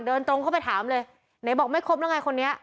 เดินตรงเข้าไปถามเลยไหนบอกไม่ครบแล้วไงคนนี้